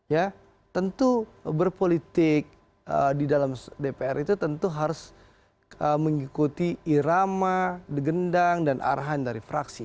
ya tentu berpolitik di dalam dpr itu tentu harus mengikuti irama degendang dan arahan dari fraksi